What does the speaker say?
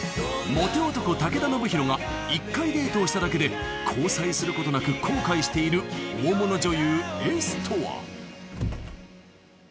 モテ男武田修宏が１回デートをしただけで交際することなく後悔している大物女優Ｓとは？